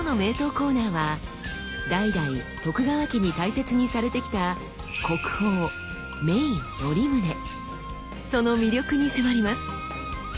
コーナーは代々徳川家に大切にされてきたその魅力に迫ります。